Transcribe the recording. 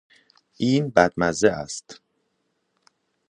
این بد مزه است.